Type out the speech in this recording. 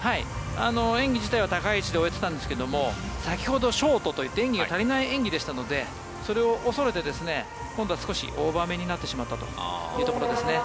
演技自体は高い位置で終えていたんですけど先ほどショートといって演技が足りない演技でしたのでそれを恐れて今度は少しオーバーめになってしまったところですね。